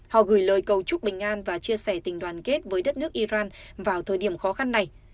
họ gửi lời cầu chúc bình an và chia sẻ tình đoàn kết với đất nước iran vào thời điểm khó khăn này